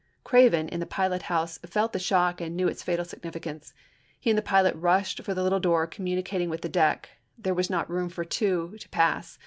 Craven, in the pilot house, felt the shock, and knew its fatal significance. He and the pilot rushed for the little door communi cating with the deck ; there was not room for two to pass.